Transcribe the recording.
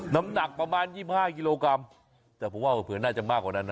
น้ำหนักประมาณ๒๕กิโลกรัมแต่ผมว่าเผลอน่าจะมากกว่านั้นนะ